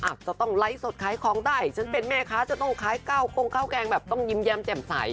อาจจะต้องไลฟ์สดขายของได้ฉันเป็นแม่ค้าจะต้องขายข้าวกงข้าวแกงแบบต้องยิ้มแย้มแจ่มใส